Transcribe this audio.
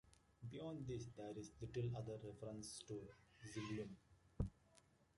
Beyond this, there is little other reference to Zebulun.